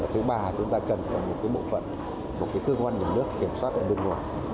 thứ ba là chúng ta cần một bộ phận một cơ quan nhà nước kiểm soát để đứng ngoài